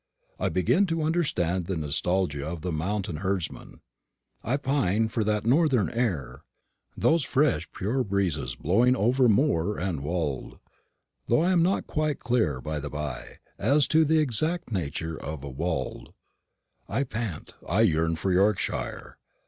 I begin to understand the nostalgia of the mountain herdsman: I pine for that northern air, those fresh pure breezes blowing over moor and wold though I am not quite clear, by the bye, as to the exact nature of a wold. I pant, I yearn for Yorkshire.